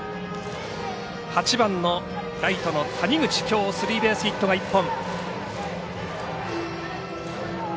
８番のライトの谷口きょうスリーベースヒットが１本。